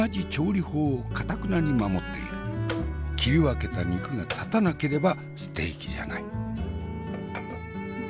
切り分けた肉が立たなければステーキじゃない。